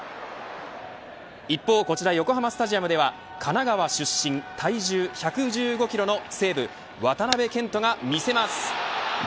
一方、こちら横浜スタジアムでは神奈川出身体重１１５キロの西武渡部健人が見せます。